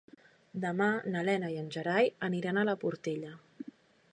Demà na Lena i en Gerai aniran a la Portella.